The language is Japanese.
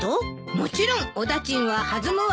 もちろんお駄賃は弾むわ。